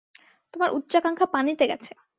তোমার উচ্চাকাঙ্খা পানিতে গেছে।